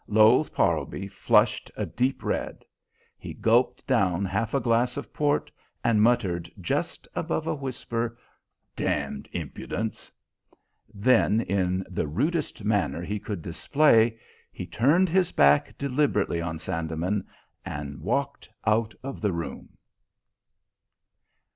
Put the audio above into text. Lowes Parlby flushed a deep red. He gulped down half a glass of port and muttered just above a whisper: "Damned impudence!" Then, in the rudest manner he could display, he turned his back deliberately on Sandeman and walked out of the room.